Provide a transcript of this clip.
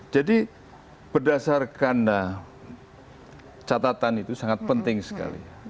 jadi berdasarkan catatan itu sangat penting sekali